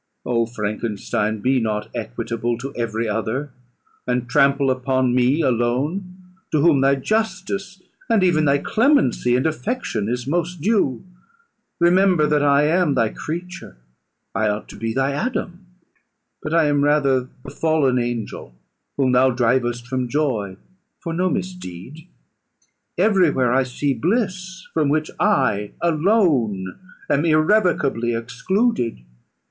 Oh, Frankenstein, be not equitable to every other, and trample upon me alone, to whom thy justice, and even thy clemency and affection, is most due. Remember, that I am thy creature; I ought to be thy Adam; but I am rather the fallen angel, whom thou drivest from joy for no misdeed. Every where I see bliss, from which I alone am irrevocably excluded.